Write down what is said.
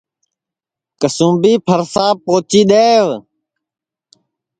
کسُُونٚمبی پھرساپ پوچی دؔیوَ